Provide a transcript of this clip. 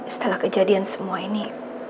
setelah kejadian semua ini